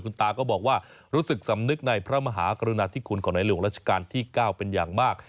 คุณตาก็บอกว่ารู้สึกสำนึกในพระมหากรุณาธิคุณของในหลวงราชการที่๙เป็นอย่างมาก